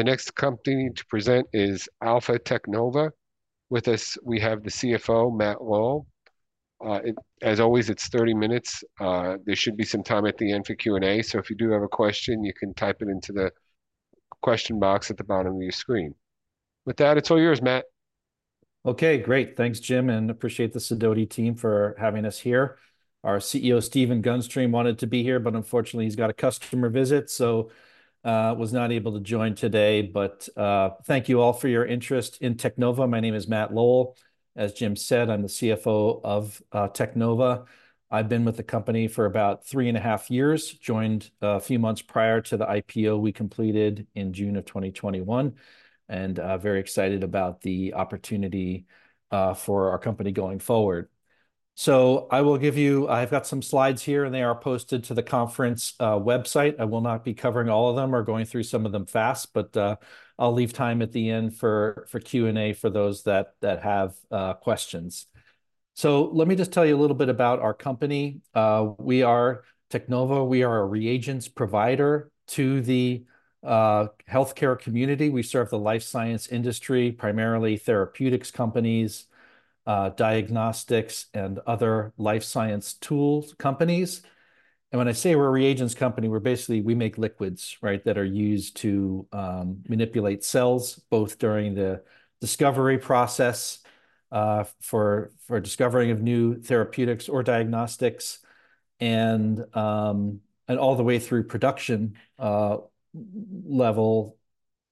The next company to present is Alpha Teknova. With us, we have the CFO, Matt Lowell. As always, it's 30 minutes. There should be some time at the end for Q&A, so if you do have a question, you can type it into the question box at the bottom of your screen. With that, it's all yours, Matt. Okay, great. Thanks, Jim, and appreciate the Sidoti team for having us here. Our CEO, Stephen Gunstream, wanted to be here, but unfortunately he's got a customer visit, so was not able to join today. But thank you all for your interest in Teknova. My name is Matt Lowell. As Jim said, I'm the CFO of Teknova. I've been with the company for about three and a half years. Joined a few months prior to the IPO we completed in June of 2021, and very excited about the opportunity for our company going forward. So I will give you... I've got some slides here, and they are posted to the conference website. I will not be covering all of them or going through some of them fast, but I'll leave time at the end for Q&A for those that have questions. So let me just tell you a little bit about our company. We are Teknova. We are a reagents provider to the healthcare community. We serve the life science industry, primarily therapeutics companies, diagnostics, and other life science tools companies. And when I say we're a reagents company, we're basically, we make liquids, right? That are used to manipulate cells, both during the discovery process for discovering of new therapeutics or diagnostics and all the way through production level,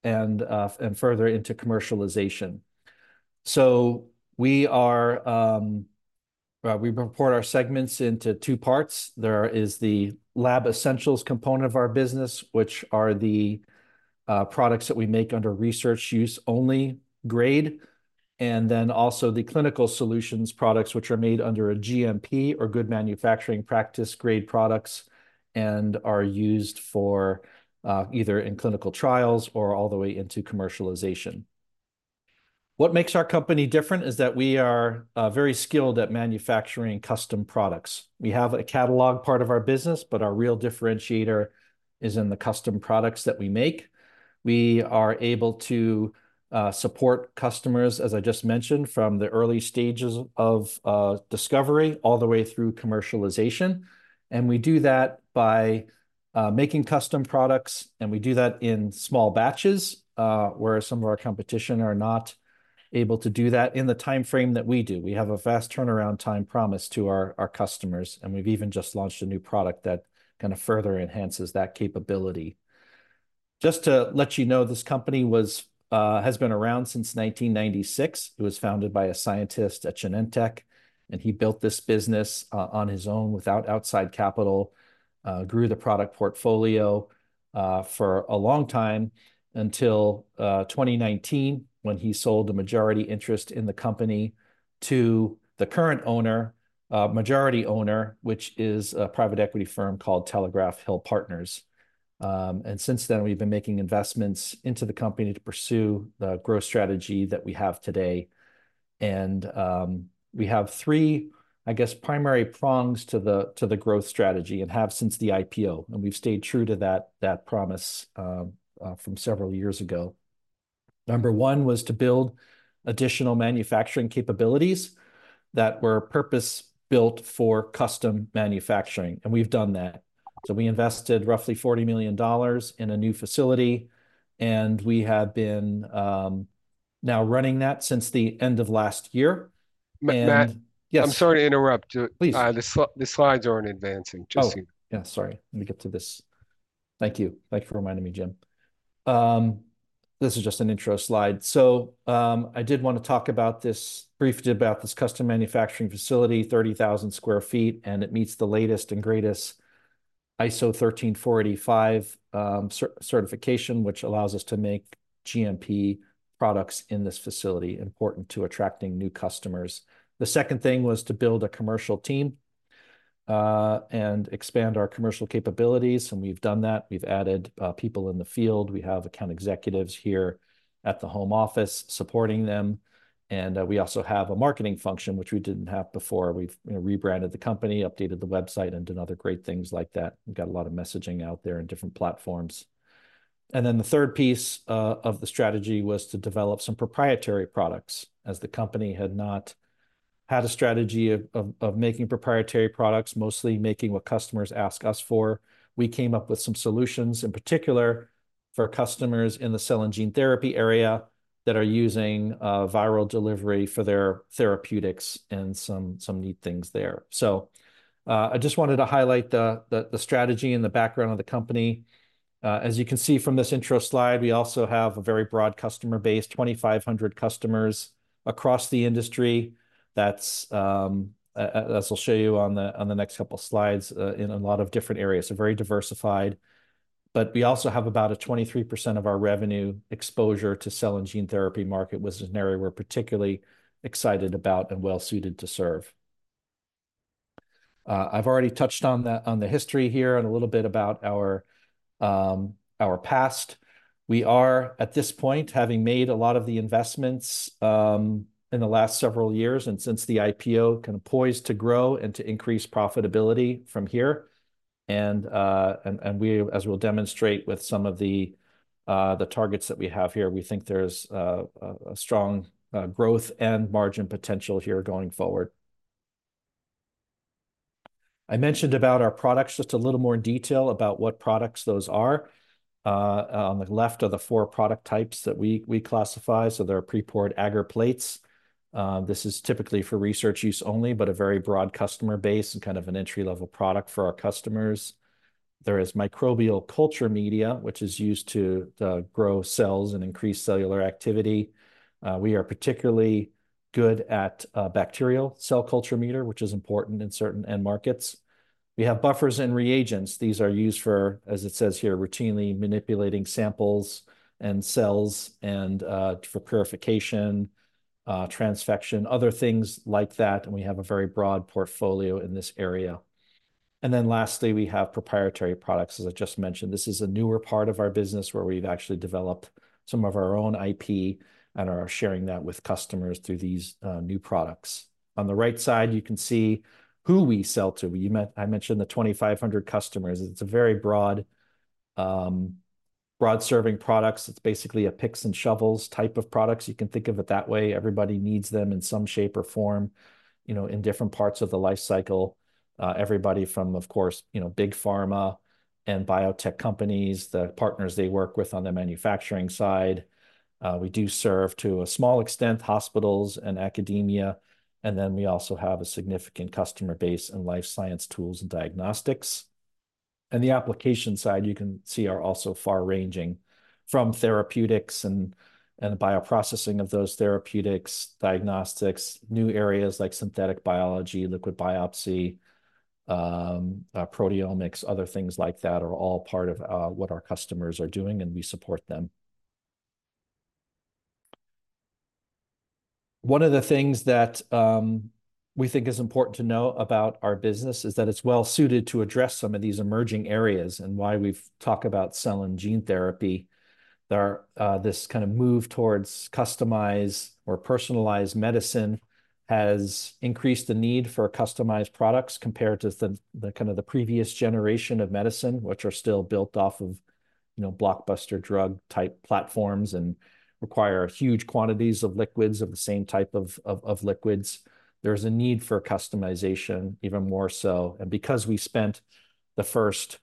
and further into commercialization. So we are, we report our segments into two parts. There is the Lab Essentials component of our business, which are the products that we make under research use only grade, and then also the Clinical Solutions products, which are made under a GMP or good manufacturing practice grade products, and are used for either in clinical trials or all the way into commercialization. What makes our company different is that we are very skilled at manufacturing custom products. We have a catalog part of our business, but our real differentiator is in the custom products that we make. We are able to support customers, as I just mentioned, from the early stages of discovery all the way through commercialization, and we do that by making custom products, and we do that in small batches, whereas some of our competition are not able to do that in the timeframe that we do. We have a fast turnaround time promise to our customers, and we've even just launched a new product that kind of further enhances that capability. Just to let you know, this company has been around since 1996. It was founded by a scientist at Genentech, and he built this business on his own without outside capital. Grew the product portfolio for a long time until 2019, when he sold a majority interest in the company to the current owner, majority owner, which is a private equity firm called Telegraph Hill Partners. And since then, we've been making investments into the company to pursue the growth strategy that we have today. We have three, I guess, primary prongs to the growth strategy, and have since the IPO, and we've stayed true to that promise from several years ago. Number one was to build additional manufacturing capabilities that were purpose-built for custom manufacturing, and we've done that. We invested roughly $40 million in a new facility, and we have been now running that since the end of last year. Matt? Yes. I'm sorry to interrupt you. Please. The slides aren't advancing, just so you- Oh, yeah, sorry. Let me get to this. Thank you. Thank you for reminding me, Jim. This is just an intro slide. So, I did want to talk about this, briefly about this custom manufacturing facility, 30,000 sq ft, and it meets the latest and greatest ISO 13485 certification, which allows us to make GMP products in this facility, important to attracting new customers. The second thing was to build a commercial team and expand our commercial capabilities, and we've done that. We've added people in the field. We have account executives here at the home office supporting them, and we also have a marketing function, which we didn't have before. We've, you know, rebranded the company, updated the website, and done other great things like that, and got a lot of messaging out there in different platforms. And then the third piece of the strategy was to develop some proprietary products, as the company had not had a strategy of making proprietary products, mostly making what customers ask us for. We came up with some solutions, in particular for customers in the cell and gene therapy area, that are using viral delivery for their therapeutics and some neat things there. So, I just wanted to highlight the strategy and the background of the company. As you can see from this intro slide, we also have a very broad customer base, 2,500 customers across the industry. That's as I'll show you on the next couple of slides in a lot of different areas, so very diversified. But we also have about a 23% of our revenue exposure to cell and gene therapy market, which is an area we're particularly excited about and well-suited to serve. I've already touched on the history here and a little bit about our past. We are, at this point, having made a lot of the investments in the last several years and since the IPO, kind of poised to grow and to increase profitability from here... and we, as we'll demonstrate with some of the targets that we have here, we think there's a strong growth and margin potential here going forward. I mentioned about our products, just a little more detail about what products those are. On the left are the four product types that we classify. So there are pre-poured agar plates. This is typically for research use only, but a very broad customer base and kind of an entry-level product for our customers. There is microbial culture media, which is used to grow cells and increase cellular activity. We are particularly good at bacterial cell culture media, which is important in certain end markets. We have buffers and reagents. These are used for, as it says here, routinely manipulating samples and cells and for purification, transfection, other things like that, and we have a very broad portfolio in this area. And then lastly, we have proprietary products, as I just mentioned. This is a newer part of our business, where we've actually developed some of our own IP and are sharing that with customers through these new products. On the right side, you can see who we sell to. I mentioned the 2,500 customers. It's a very broad, broad-serving products. It's basically a picks and shovels type of products. You can think of it that way. Everybody needs them in some shape or form, you know, in different parts of the life cycle. Everybody from, of course, you know, big pharma and biotech companies, the partners they work with on the manufacturing side. We do serve, to a small extent, hospitals and academia, and then we also have a significant customer base in life science tools and diagnostics. And the application side, you can see, are also far-ranging, from therapeutics and the bioprocessing of those therapeutics, diagnostics, new areas like synthetic biology, liquid biopsy, proteomics, other things like that are all part of what our customers are doing, and we support them. One of the things that, we think is important to know about our business is that it's well-suited to address some of these emerging areas and why we've talked about cell and gene therapy. There are this kind of move towards customized or personalized medicine has increased the need for customized products compared to the kind of the previous generation of medicine, which are still built off of, you know, blockbuster drug-type platforms and require huge quantities of liquids, of the same type of liquids. There's a need for customization even more so, and because we spent the first,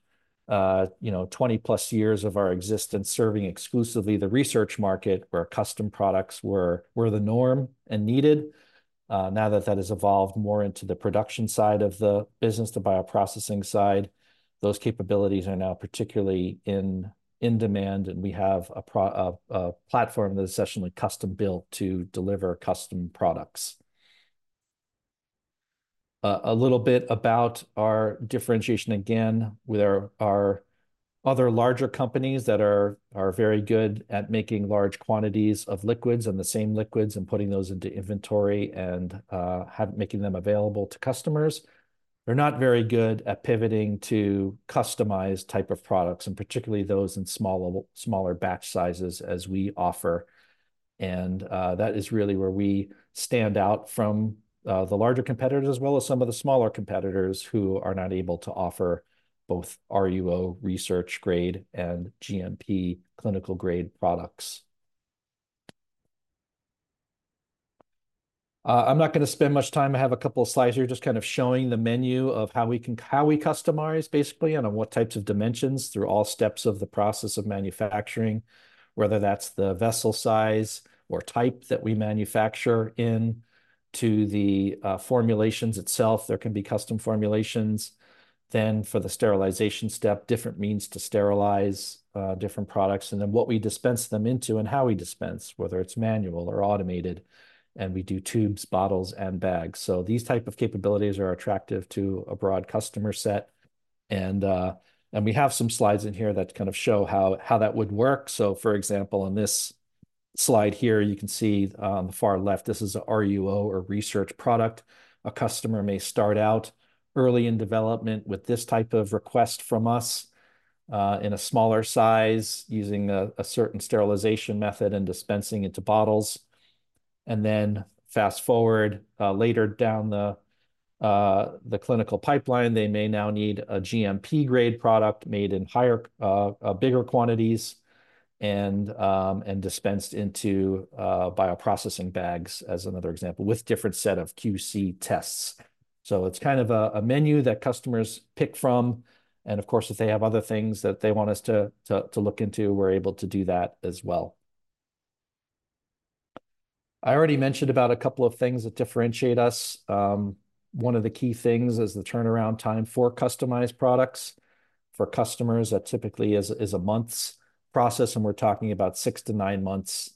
you know, 20+ years of our existence serving exclusively the research market, where custom products were the norm and needed, now that that has evolved more into the production side of the business, the bioprocessing side, those capabilities are now particularly in demand, and we have a platform that is essentially custom-built to deliver custom products. A little bit about our differentiation. Again, there are other larger companies that are very good at making large quantities of liquids, and the same liquids, and putting those into inventory and making them available to customers. They're not very good at pivoting to customized type of products, and particularly those in small level- smaller batch sizes as we offer, and, that is really where we stand out from, the larger competitors, as well as some of the smaller competitors who are not able to offer both RUO research-grade and GMP clinical-grade products. I'm not going to spend much time. I have a couple of slides here, just kind of showing the menu of how we can- how we customize, basically, and on what types of dimensions through all steps of the process of manufacturing, whether that's the vessel size or type that we manufacture in to the, formulations itself. There can be custom formulations. Then, for the sterilization step, differeont means to sterilize different products, and then what we dispense them into and how we dispense, whether it's manual or automated, and we do tubes, bottles, and bags. So these type of capabilities are attractive to a broad customer set, and and we have some slides in here that kind of show how that would work. So, for example, on this slide here, you can see on the far left, this is a RUO or research product. A customer may start out early in development with this type of request from us in a smaller size, using a certain sterilization method and dispensing into bottles. And then fast-forward later down the clinical pipeline, they may now need a GMP-grade product made in higher bigger quantities and dispensed into bioprocessing bags, as another example, with different set of QC tests. So it's kind of a menu that customers pick from, and of course, if they have other things that they want us to look into, we're able to do that as well. I already mentioned about a couple of things that differentiate us. One of the key things is the turnaround time for customized products. For customers, that typically is a month's process, and we're talking about 6-9 months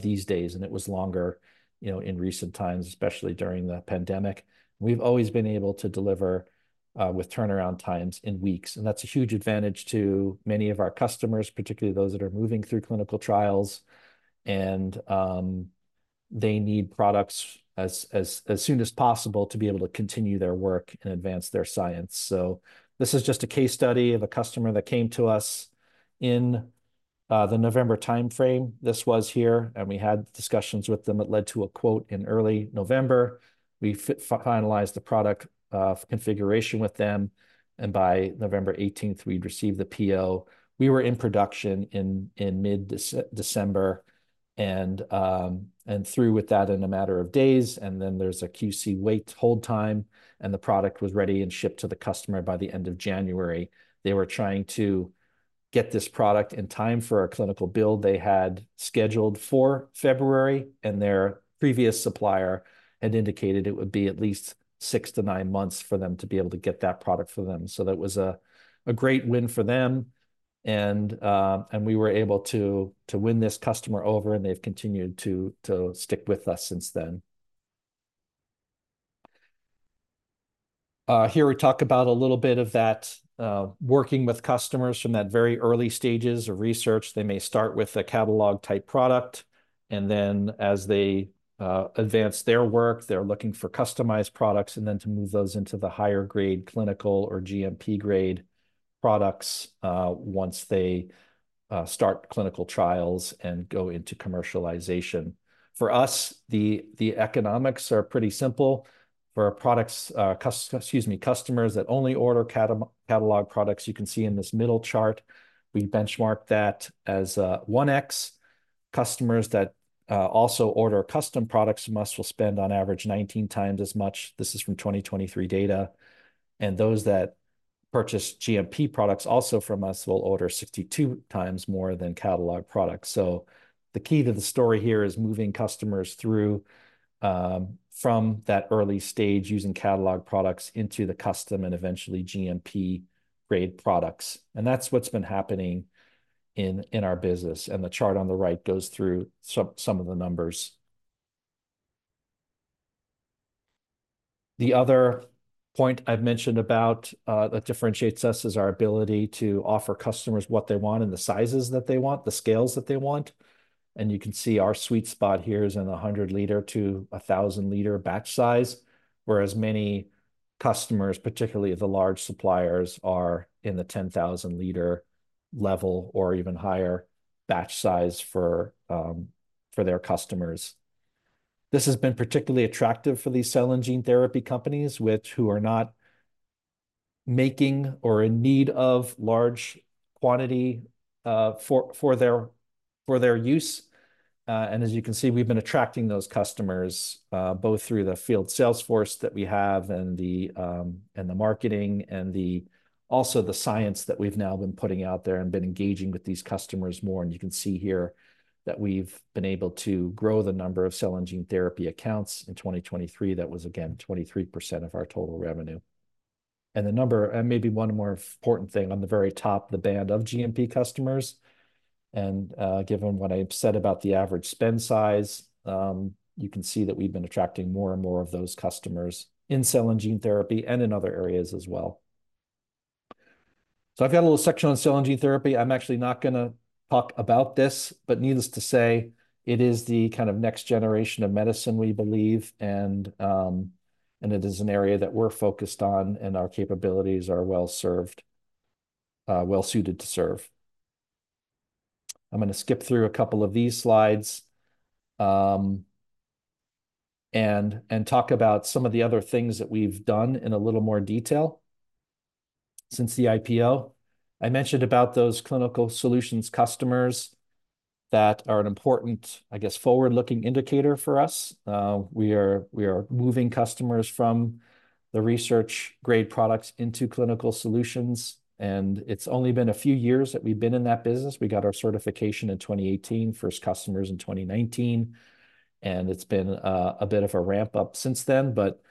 these days, and it was longer, you know, in recent times, especially during the pandemic. We've always been able to deliver with turnaround times in weeks, and that's a huge advantage to many of our customers, particularly those that are moving through clinical trials, and they need products as soon as possible to be able to continue their work and advance their science. So this is just a case study of a customer that came to us in the November timeframe, this was here, and we had discussions with them that led to a quote in early November. We finalized the product configuration with them, and by November 18, we'd received the PO. We were in production in mid-December, and through with that in a matter of days, and then there's a QC wait hold time, and the product was ready and shipped to the customer by the end of January. They were trying to get this product in time for a clinical build they had scheduled for February, and their previous supplier had indicated it would be at least 6-9 months for them to be able to get that product for them. So that was a great win for them, and we were able to win this customer over, and they've continued to stick with us since then. Here we talk about a little bit of that, working with customers from that very early stages of research. They may start with a catalog-type product, and then as they advance their work, they're looking for customized products, and then to move those into the higher grade clinical or GMP-grade products, once they start clinical trials and go into commercialization. For us, the economics are pretty simple. For our products, customers that only order catalog products, you can see in this middle chart, we benchmarked that as 1x. Customers that also order custom products from us will spend on average 19x as much. This is from 2023 data. Those that purchase GMP products also from us will order 62x more than catalog products. So the key to the story here is moving customers through from that early stage using catalog products into the custom and eventually GMP-grade products, and that's what's been happening in our business, and the chart on the right goes through some of the numbers. The other point I've mentioned about that differentiates us is our ability to offer customers what they want in the sizes that they want, the scales that they want. You can see our sweet spot here is in the 100-liter to 1,000-liter batch size, whereas many customers, particularly the large suppliers, are in the 10,000-liter level or even higher batch size for their customers. This has been particularly attractive for these cell and gene therapy companies, who are not making or in need of large quantity for their use. And as you can see, we've been attracting those customers both through the field sales force that we have, and the marketing and also the science that we've now been putting out there and been engaging with these customers more. You can see here that we've been able to grow the number of cell and gene therapy accounts. In 2023, that was, again, 23% of our total revenue. And the number, and maybe one more important thing, on the very top, the band of GMP customers, and, given what I've said about the average spend size, you can see that we've been attracting more and more of those customers in Cell and Gene Therapy and in other areas as well. So I've got a little section on Cell and Gene Therapy. I'm actually not gonna talk about this, but needless to say, it is the kind of next generation of medicine, we believe, and it is an area that we're focused on, and our capabilities are well-served, well-suited to serve. I'm gonna skip through a couple of these slides, and talk about some of the other things that we've done in a little more detail since the IPO. I mentioned about those Clinical Solutions customers that are an important, I guess, forward-looking indicator for us. We are moving customers from the research-grade products into Clinical Solutions, and it's only been a few years that we've been in that business. We got our certification in 2018, first customers in 2019, and it's been a bit of a ramp-up since then. But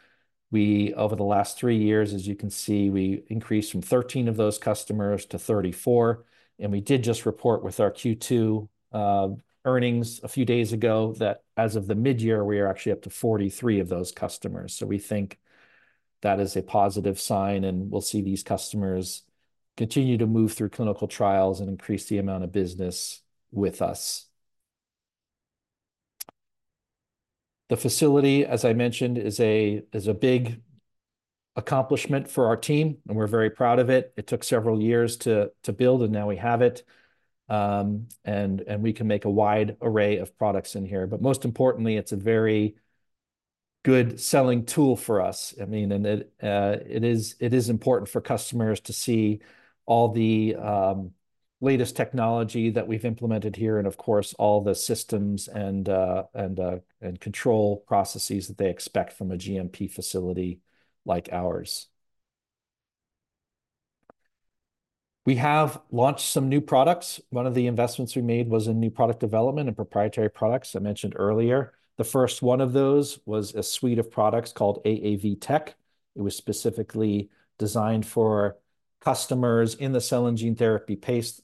we, over the last 3 years, as you can see, we increased from 13 of those customers to 34, and we did just report with our Q2 earnings a few days ago, that as of the mid-year, we are actually up to 43 of those customers. So we think that is a positive sign, and we'll see these customers continue to move through clinical trials and increase the amount of business with us. The facility, as I mentioned, is a big accomplishment for our team, and we're very proud of it. It took several years to build, and now we have it. We can make a wide array of products in here, but most importantly, it's a very good selling tool for us. I mean, and it is important for customers to see all the latest technology that we've implemented here and, of course, all the systems and control processes that they expect from a GMP facility like ours. We have launched some new products. One of the investments we made was in new product development and proprietary products I mentioned earlier. The first one of those was a suite of products called AAV-Tek. It was specifically designed for customers in the cell and gene therapy space,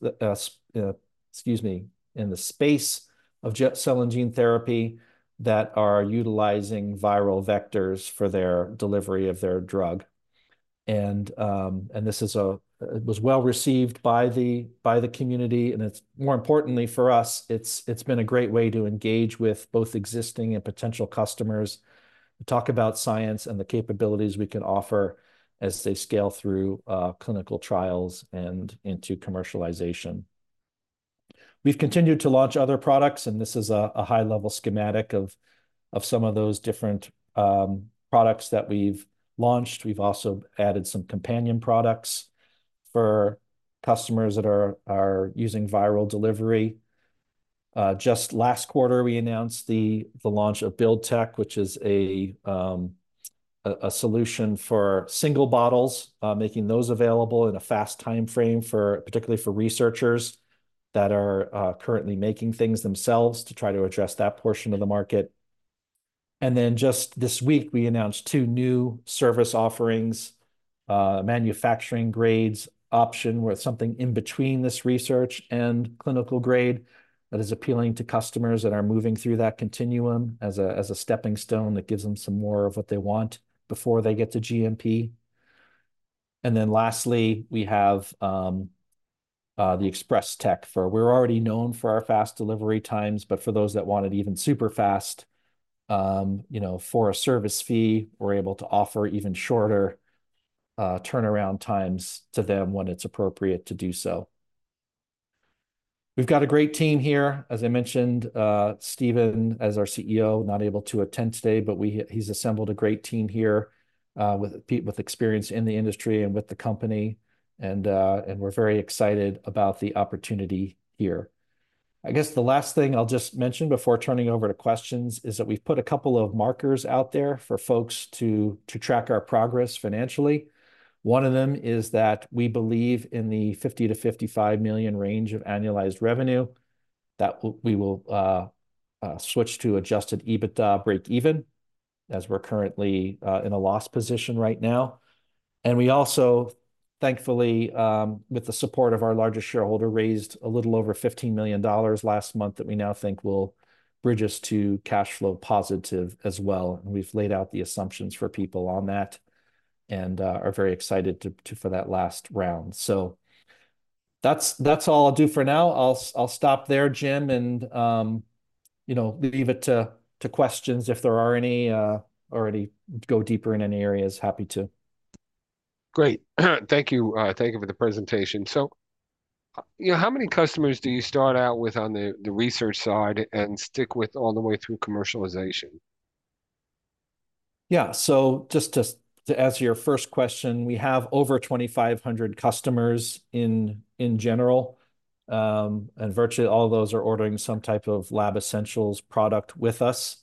excuse me, in the space of cell and gene therapy that are utilizing viral vectors for their delivery of their drug. And this is, it was well-received by the community, and it's, more importantly for us, it's been a great way to engage with both existing and potential customers to talk about science and the capabilities we can offer as they scale through clinical trials and into commercialization. We've continued to launch other products, and this is a high-level schematic of some of those different products that we've launched. We've also added some companion products for customers that are using viral delivery. Just last quarter, we announced the launch of Build-Tek, which is a solution for single bottles, making those available in a fast timeframe, particularly for researchers that are currently making things themselves to try to address that portion of the market. And then just this week, we announced two new service offerings, Manufacturing Grades option, where it's something in between this research and clinical grade that is appealing to customers that are moving through that continuum as a stepping stone that gives them some more of what they want before they get to GMP. Then lastly, we have the Express-Tek. We're already known for our fast delivery times, but for those that want it even super fast, you know, for a service fee, we're able to offer even shorter turnaround times to them when it's appropriate to do so. We've got a great team here. As I mentioned, Stephen, as our CEO, not able to attend today, but he's assembled a great team here, with experience in the industry and with the company, and we're very excited about the opportunity here. I guess the last thing I'll just mention before turning over to questions is that we've put a couple of markers out there for folks to track our progress financially. One of them is that we believe in the $50-$55 million range of annualized revenue, that we will switch to adjusted EBITDA breakeven, as we're currently in a loss position right now. And we also, thankfully, with the support of our largest shareholder, raised a little over $15 million last month that we now think will bridge us to cash flow positive as well, and we've laid out the assumptions for people on that, and are very excited for that last round. So that's all I'll do for now. I'll stop there, Jim, and you know, leave it to questions if there are any, or any go deeper in any areas, happy to. Great. Thank you. Thank you for the presentation. So, you know, how many customers do you start out with on the research side and stick with all the way through commercialization? Yeah. So just to to answer your first question, we have over 2,500 customers in general, and virtually all those are ordering some type of Lab Essentials product with us.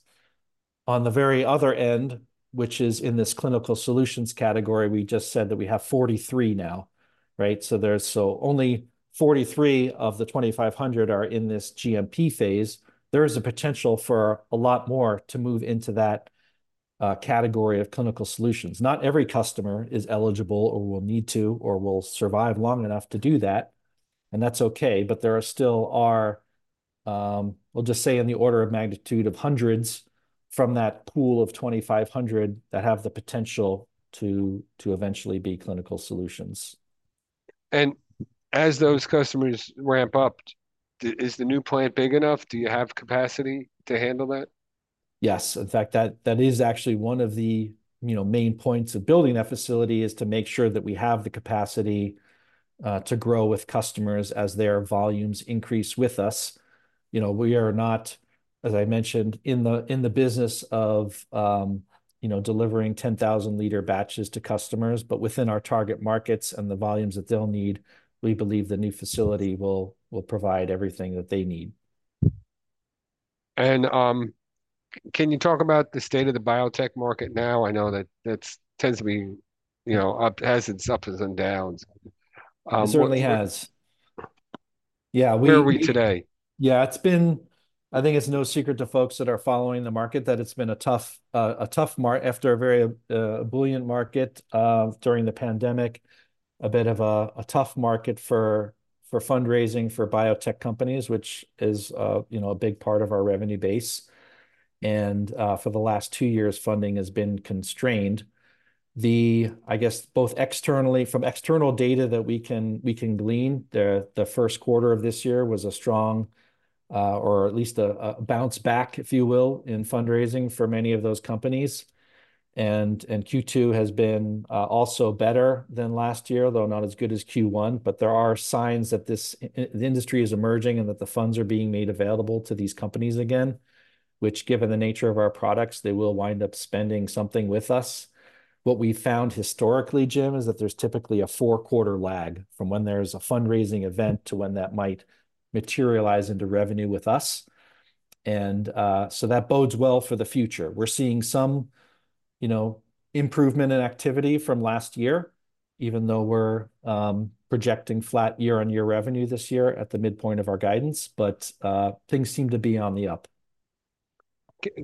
On the very other end, which is in this Clinical Solutions category, we just said that we have 43 now, right? So only 43 of the 2,500 are in this GMP phase. There is a potential for a lot more to move into that category of Clinical Solutions. Not every customer is eligible or will need to, or will survive long enough to do that, and that's okay. But there are still, we'll just say in the order of magnitude of hundreds from that pool of 2,500 that have the potential to to eventually be Clinical Solutions. As those customers ramp up, is the new plant big enough? Do you have capacity to handle that? Yes. In fact, that, that is actually one of the, you know, main points of building that facility, is to make sure that we have the capacity to grow with customers as their volumes increase with us. You know, we are not, as I mentioned, in the, in the business of, you know, delivering 10,000-liter batches to customers, but within our target markets and the volumes that they'll need, we believe the new facility will, will provide everything that they need. Can you talk about the state of the biotech market now? I know that that's tends to be, you know, up, has its ups and downs. What- It certainly has. Yeah, we- Where are we today? Yeah, it's been... I think it's no secret to folks that are following the market, that it's been a tough market after a very brilliant market during the pandemic. A bit of a tough market for fundraising for biotech companies, which is, you know, a big part of our revenue base. And for the last two years, funding has been constrained. I guess, both externally, from external data that we can glean, the first quarter of this year was a strong or at least a bounce back, if you will, in fundraising for many of those companies. And Q2 has been also better than last year, though not as good as Q1. But there are signs that the industry is emerging and that the funds are being made available to these companies again, which, given the nature of our products, they will wind up spending something with us. What we found historically, Jim, is that there's typically a four-quarter lag from when there's a fundraising event to when that might materialize into revenue with us. And so that bodes well for the future. We're seeing some, you know, improvement in activity from last year, even though we're projecting flat year-on-year revenue this year at the midpoint of our guidance, but things seem to be on the up.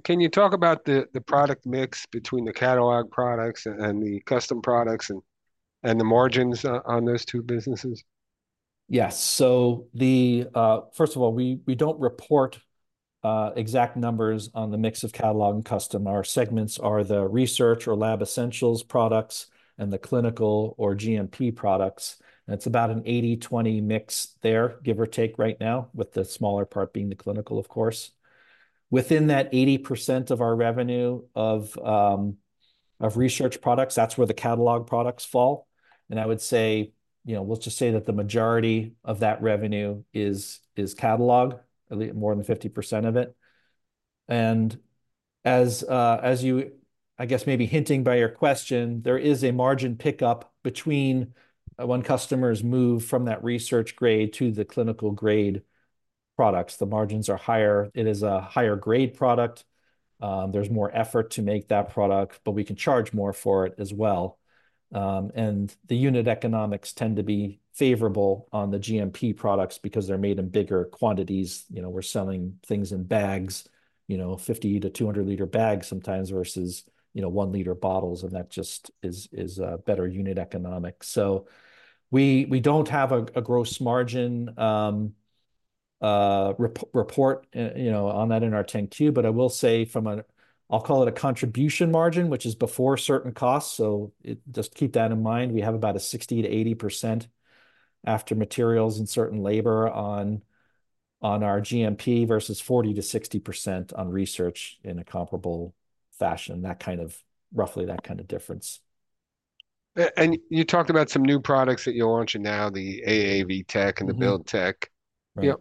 Can you talk about the product mix between the catalog products and the custom products and the margins on those two businesses? Yes. So first of all, we don't report exact numbers on the mix of catalog and custom. Our segments are the research or lab essentials products and the clinical or GMP products. And it's about an 80-20 mix there, give or take right now, with the smaller part being the clinical, of course. Within that 80% of our revenue of research products, that's where the catalog products fall, and I would say, you know, let's just say that the majority of that revenue is catalog, more than 50% of it. And as you, I guess, may be hinting by your question, there is a margin pickup between when customers move from that research grade to the clinical grade products. The margins are higher. It is a higher grade product. There's more effort to make that product, but we can charge more for it as well. And the unit economics tend to be favorable on the GMP products because they're made in bigger quantities. You know, we're selling things in bags, you know, 50-200 liter bags sometimes versus, you know, 1-liter bottles, and that just is better unit economics. So we don't have a gross margin report, you know, on that in our 10-Q, but I will say from a, I'll call it a contribution margin, which is before certain costs, so just keep that in mind. We have about a 60%-80% after materials and certain labor on our GMP versus 40%-60% on research in a comparable fashion, that kind of, roughly that kind of difference. And you talked about some new products that you're launching now, the AAV-Tek- Mm-hmm... and the Build-Tek. Yeah.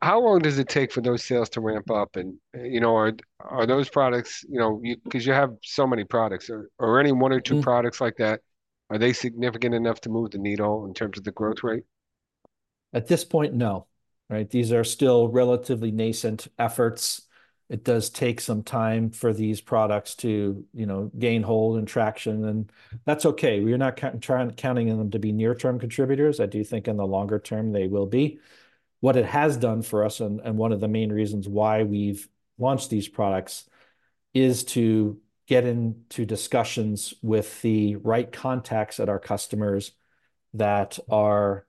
How long does it take for those sales to ramp up? And, you know, are those products, you know, 'cause you have so many products. Are any one or two products- Mm-hmm... like that, are they significant enough to move the needle in terms of the growth rate? At this point, no, right? These are still relatively nascent efforts. It does take some time for these products to, you know, gain hold and traction, and that's okay. We are not counting on them to be near-term contributors. I do think in the longer term they will be. What it has done for us, and one of the main reasons why we've launched these products, is to get into discussions with the right contacts at our customers that are,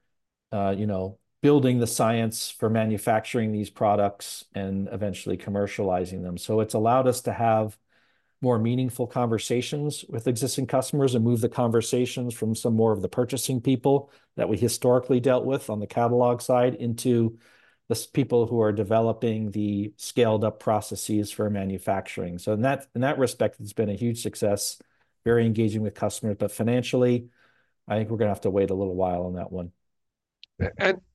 you know, building the science for manufacturing these products and eventually commercializing them. So it's allowed us to have more meaningful conversations with existing customers, and move the conversations from some more of the purchasing people that we historically dealt with on the catalog side, into the scientists who are developing the scaled-up processes for manufacturing. So in that, in that respect, it's been a huge success, very engaging with customers, but financially, I think we're gonna have to wait a little while on that one.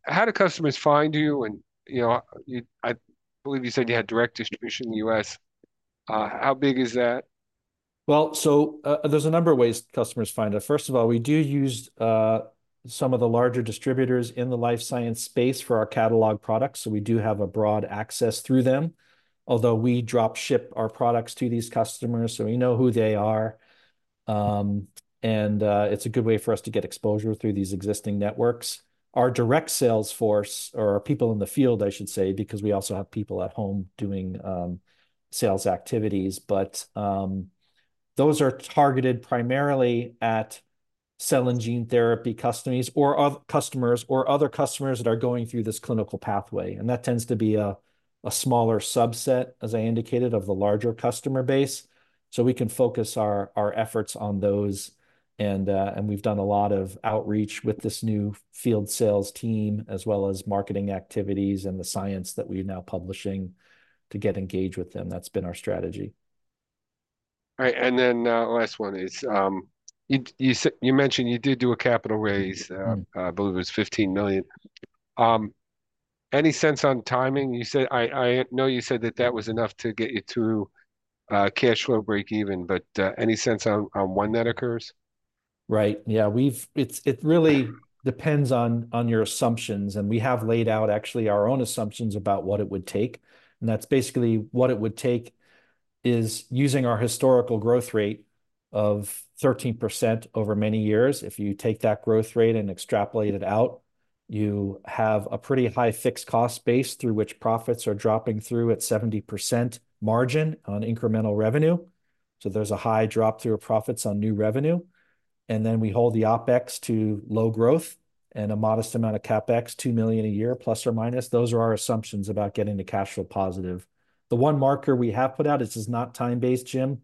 How do customers find you? You know, you, I believe you said you had direct distribution in the U.S. How big is that? Well, so, there's a number of ways customers find us. First of all, we do use some of the larger distributors in the life science space for our catalog products, so we do have a broad access through them. Although we drop ship our products to these customers, so we know who they are. And it's a good way for us to get exposure through these existing networks. Our direct sales force, or our people in the field, I should say, because we also have people at home doing sales activities, but those are targeted primarily at cell and gene therapy customers, or other customers that are going through this clinical pathway, and that tends to be a smaller subset, as I indicated, of the larger customer base. So we can focus our efforts on those, and we've done a lot of outreach with this new field sales team, as well as marketing activities and the science that we are now publishing to get engaged with them. That's been our strategy. Right. Then, last one is, you mentioned you did do a capital raise. Mm-hmm. I believe it was $15 million. Any sense on timing? You said... I know you said that that was enough to get you through cash flow breakeven, but any sense on when that occurs? Right. Yeah, it really depends on your assumptions, and we have laid out actually our own assumptions about what it would take, and that's basically what it would take is using our historical growth rate of 13% over many years. If you take that growth rate and extrapolate it out, you have a pretty high fixed cost base through which profits are dropping through at 70% margin on incremental revenue. So there's a high drop-through of profits on new revenue, and then we hold the OpEx to low growth and a modest amount of CapEx, $2 million a year plus or minus. Those are our assumptions about getting to cash flow positive. The one marker we have put out, this is not time-based, Jim,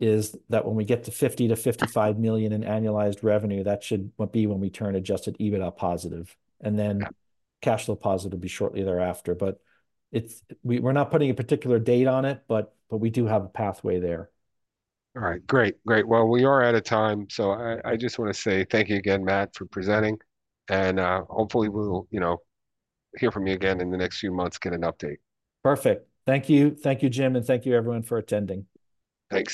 is that when we get to $50 million-$55 million in annualized revenue, that should be when we turn adjusted EBITDA positive, and then- Yeah... cash flow positive will be shortly thereafter. But we're not putting a particular date on it, but, but we do have a pathway there. All right. Great. Great. Well, we are out of time, so I just want to say thank you again, Matt, for presenting, and hopefully we'll, you know, hear from you again in the next few months, get an update. Perfect. Thank you. Thank you, Jim, and thank you, everyone, for attending. Thanks.